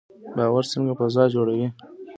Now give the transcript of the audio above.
باور څنګه فضا جوړوي؟